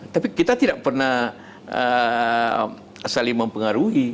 tapi kita tidak pernah saling mempengaruhi